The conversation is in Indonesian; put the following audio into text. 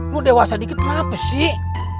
mau dewasa dikit kenapa sih